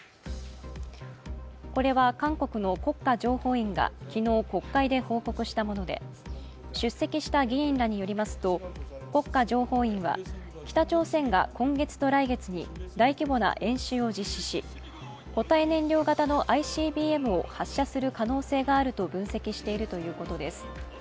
これは韓国の国家情報院が昨日、国会で報告したもので出席した議員らによりますと国家情報院は北朝鮮が今月と来月に大規模な演習を実施し、固体燃料型のＩＣＢＭを発射する可能性があると分析しているということです。